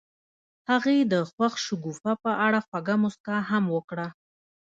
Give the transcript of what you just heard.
هغې د خوښ شګوفه په اړه خوږه موسکا هم وکړه.